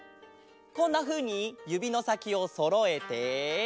こんなふうにゆびのさきをそろえて。